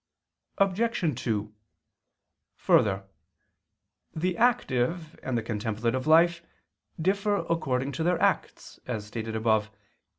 Obj. 2: Further, the active and the contemplative life differ according to their acts, as stated above (Q.